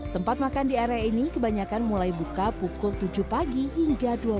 tempat makan di area ini kebanyakan mulai buka pukul tujuh pagi hingga dua puluh